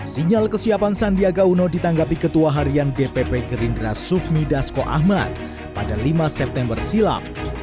sinyal kesiapan sandiaga uno ditanggapi ketua harian dpp gerindra sufmi dasko ahmad pada lima september silam